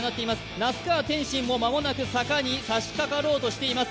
那須川天心もまもなく坂にさしかかろうとしています。